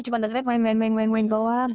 cuma dah sederhana main bawah